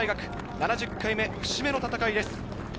７０回目、節目の戦いです。